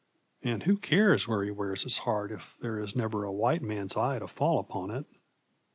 And who cares where he wears his heart if there is never a white man's eye to fall upon it!